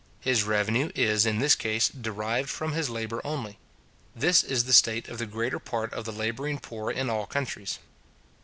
His revenue is, in this case, derived from his labour only. This is the state of the greater part of the labouring poor in all countries.